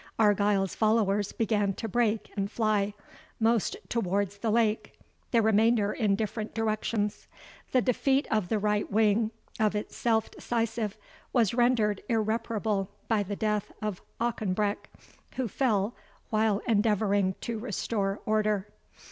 Argyle's followers began to break and fly, most towards the lake, the remainder in different directions. The defeat of the right wing, of itself decisive, was rendered irreparable by the death of Auchenbreck, who fell while endeavouring to restore order.